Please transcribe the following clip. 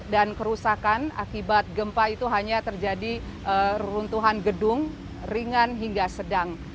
dan kerusakan akibat gempa itu hanya terjadi runtuhan gedung ringan hingga sedang